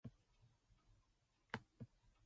Goines married Marie Davis.